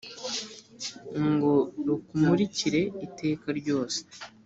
ngo rukumurikire iteka ryose